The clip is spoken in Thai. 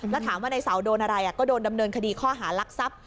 แล้วถามว่าในเสาโดนอะไรก็โดนดำเนินคดีข้อหารักทรัพย์